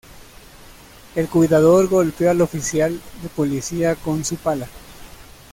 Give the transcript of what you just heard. El Cuidador golpeó al oficial de policía con su pala.